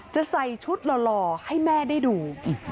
จะใส่ชุดหล่อให้แม่ได้ดู